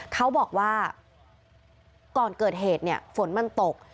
เขาบอกว่าก่อนเกิดเหตุเนี่ยฝนมันตก